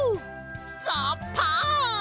ザッパン！